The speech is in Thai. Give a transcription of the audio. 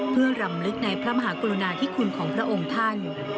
เพื่อรำลึกในพระมหากรุณาธิคุณของพระองค์ท่าน